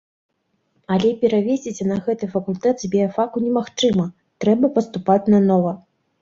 Але перавесціся на гэты факультэт з біяфаку немагчыма, трэба паступаць нанова.